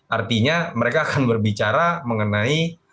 artinya mereka akan berbicara mengenai